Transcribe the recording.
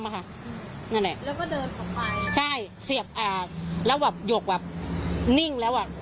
นั่นแหละแล้วก็เดินออกไปใช่เสียบอ่าแล้วแบบหยกแบบนิ่งแล้วอ่ะ